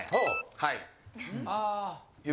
はい。